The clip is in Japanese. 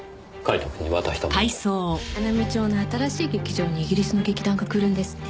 花見町の新しい劇場にイギリスの劇団が来るんですって。